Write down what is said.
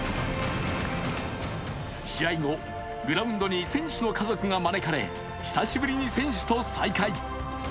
試合後、グラウンドに選手の家族が招かれ久しぶりに選手と再会。